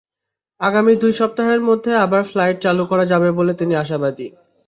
আগামী দুই সপ্তাহের মধ্যে আবার ফ্লাইট চালু করা যাবে বলে তিনি আশাবাদী।